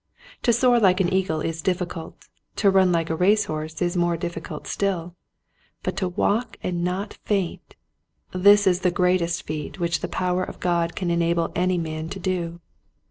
To soar like an eagle is difficult, to run like a race horse is more difficult still, but to walk and not faint — this is the greatest feat which the power of God can enable any man to do.